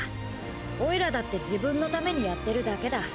オイラだって自分のためにやってるだけだ。